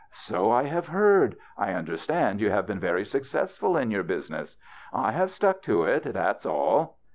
" So I have heard. I understand you have been very successful in your business." "I have stuck to it, that's all."